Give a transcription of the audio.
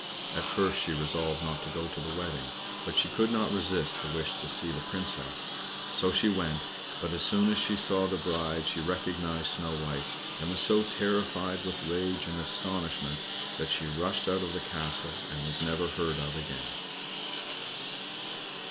At first she resolved not to go to the wedding, but she could not resist the wish to see the Princess. So she went; but as soon as she saw the bride she recognized Snow White, and was so terrified with rage and astonishment that she rushed out of the castle and was never heard of again.